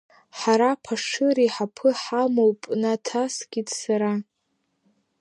Ҳара Ԥашыр иҳаԥы ҳамоуп, наҭаскит сара.